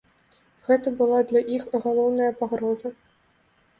Гэта была для іх галоўная пагроза.